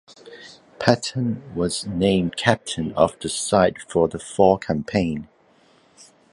Patten was named captain of the side for the fall campaign.